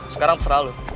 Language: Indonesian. sekarang terserah lo